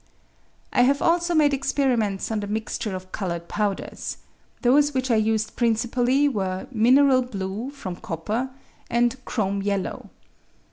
I have also made experiments on the mixture of coloured powders. Those which I used principally were "mineral blue" (from copper) and "chrome yellow."